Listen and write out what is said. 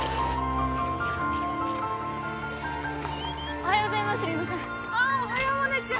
おはようございます里乃さん。